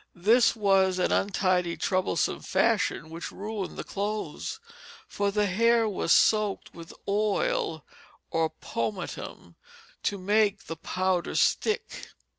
This was an untidy, troublesome fashion, which ruined the clothes; for the hair was soaked with oil or pomatum to make the powder stick.